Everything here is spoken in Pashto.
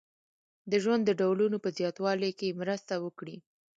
د ژوند د ډولونو په زیاتوالي کې مرسته وکړي.